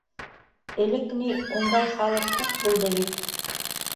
Элек ни ундай халыҡ күп булды бит.